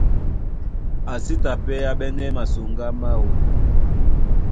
A sí ta pɛ́ á ɓɛ́nɛ́ masoŋgá máō.